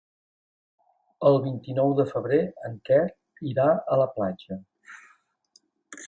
El vint-i-nou de febrer en Quer irà a la platja.